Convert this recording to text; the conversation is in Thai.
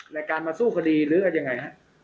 ในการมาสู้คดีหรืออะไรอย่างไรครับ